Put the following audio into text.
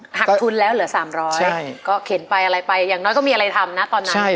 หักทุนแล้วเหลือ๓๐๐ก็เข็นไปอะไรไปอย่างน้อยก็มีอะไรทำนะตอนนั้น